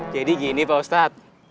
jadi gini pak ustadz